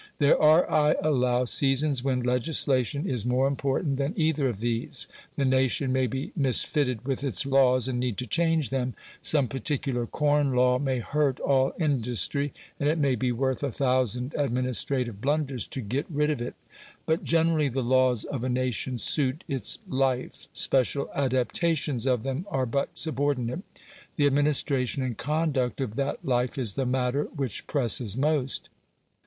There are, I allow, seasons when legislation is more important than either of these. The nation may be misfitted with its laws, and need to change them: some particular corn law may hurt all industry, and it may be worth a thousand administrative blunders to get rid of it. But generally the laws of a nation suit its life; special adaptations of them are but subordinate; the administration and conduct of that life is the matter which presses most.